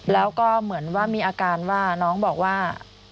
แล้วก็เหมือนว่ามีอาการว่าน้องบอกว่า